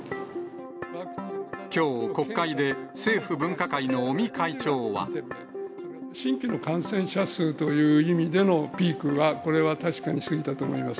きょう、国会で政府分科会の尾身新規の感染者数という意味でのピークは、これは確かに過ぎたと思います。